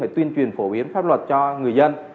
tuyên truyền phổ biến pháp luật cho người dân